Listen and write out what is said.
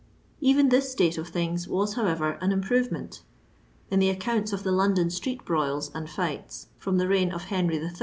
Even this state of things was, however, an improvement In the accounts of the London streetpbroils and fights, firom the reign of Henry III.